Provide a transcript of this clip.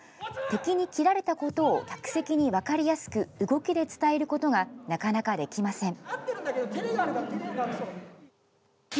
敵に斬られたことを客席に分かりやすく、動きで伝えることがなかなかできません。